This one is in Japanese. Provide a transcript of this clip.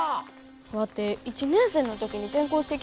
ワテ１年生の時に転校してきたやろ？